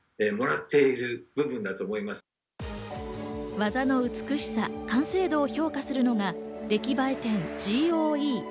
技の美しさ、完成度を評価するのが出来栄え点、ＧＯＥ。